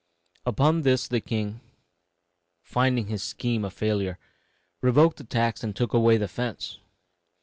Upon this the king, finding his scheme a failure, revoked the tax and took away the fence.